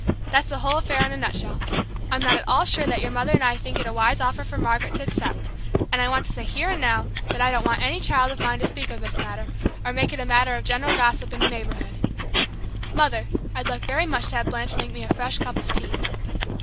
That's the whole affair in a nutshell. I'm not at all sure that your mother and I think it a wise offer for Margaret to accept, and I want to say here and now that I don't want any child of mine to speak of this matter, or make it a matter of general gossip in the neighborhood. Mother, I'd like very much to have Blanche make me a fresh cup of tea."